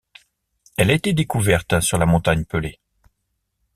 Elle a été découverte sur la Montagne Pelée.